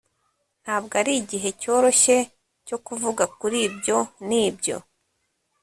Ntabwo ari igihe cyoroshye cyo kuvuga kuri ibyo nibyo